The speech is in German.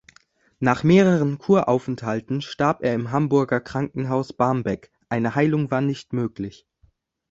Nach mehreren Kuraufenthalten starb er im Hamburger Krankenhaus Barmbeck, eine Heilung war nicht möglich.